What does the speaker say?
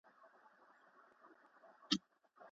خدای پرشتو ته وویل چي زه انسان پیدا کوم.